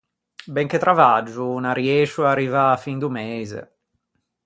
Ben che travaggio, n’arriëscio à arrivâ a-a fin do meise.